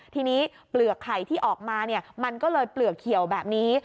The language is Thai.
ทีนี้เปลือกไข่ที่ออกมามันก็เลยเปลือกเขียวแบบนี้